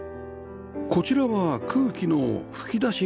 こちらは空気の吹き出し口